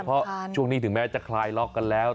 เพราะช่วงนี้ถึงแม้จะคลายล็อกกันแล้ว